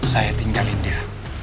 saya tinggalin dia